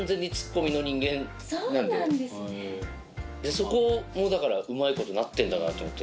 そこもうまいことなってんだなって思って。